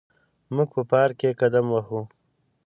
موږ په پارک کې قدم وهو.